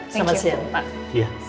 selamat siang pak